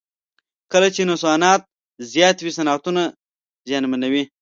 کله چې نوسانات زیات وي صنعتونه زیانمنوي.